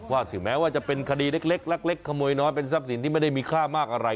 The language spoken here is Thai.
ว่าถึงแม้ว่าจะเป็นคดีเล็กลักเล็กขโมยน้อยเป็นสักสินที่ไม่ได้มีค่ามากอะไร